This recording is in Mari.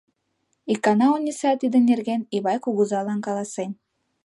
Икана Ониса тидын нерген Ивай кугызалан каласен.